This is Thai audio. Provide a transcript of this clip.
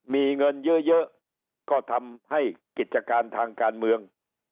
มีเงินเยอะก็ทำให้กิจการทางการเมือง